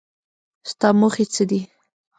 ستا موخې څه دي ؟